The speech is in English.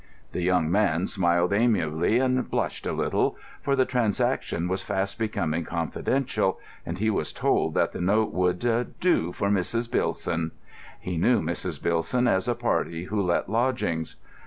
The young man smiled amiably and blushed a little; for the transaction was fast becoming confidential, and he was told that the note would "do for Mrs. Bilson." He knew Mrs. Bilson as a party who let lodgings.